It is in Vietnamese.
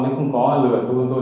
nếu không có là lừa xuôi tôi